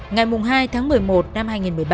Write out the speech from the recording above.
ngày hai tháng một mươi một năm hai nghìn một mươi ba